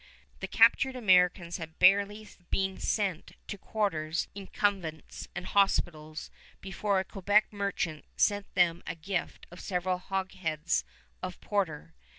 The captured Americans had barely been sent to quarters in convents and hospitals before a Quebec merchant sent them a gift of several hogsheads of porter.